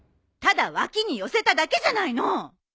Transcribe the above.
ただ脇に寄せただけじゃないの！